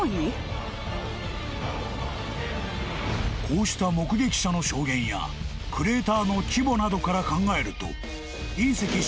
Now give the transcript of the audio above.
［こうした目撃者の証言やクレーターの規模などから考えると］